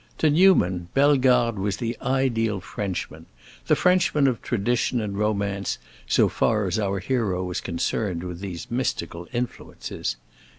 To Newman, Bellegarde was the ideal Frenchman, the Frenchman of tradition and romance, so far as our hero was concerned with these mystical influences.